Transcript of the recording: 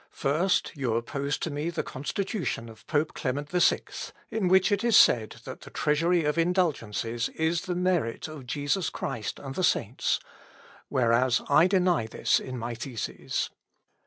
First, you oppose to me the Constitution of Pope Clement VI, in which it is said, that the treasury of indulgences is the merit of Jesus Christ and the saints; whereas I deny this in my theses.